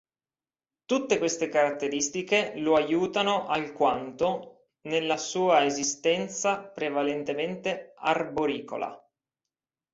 Tutte queste caratteristiche lo aiutano alquanto nella sua esistenza prevalentemente arboricola.